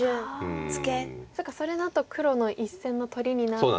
そっかそれだと黒の１線の取りになって。